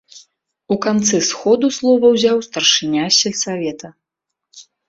У канцы сходу слова ўзяў старшыня сельсавета.